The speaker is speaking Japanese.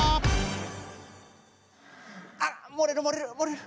あっ漏れる漏れる漏れる！